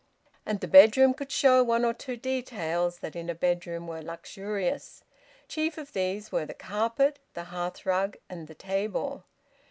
And the bedroom could show one or two details that in a bedroom were luxurious. Chief of these were the carpet, the hearthrug, and the table.